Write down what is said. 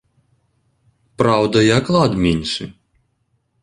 Праўда, і аклад меншы.